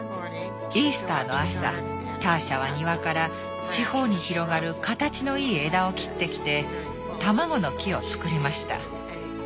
イースターの朝ターシャは庭から四方に広がる形のいい枝を切ってきて卵の木を作りました。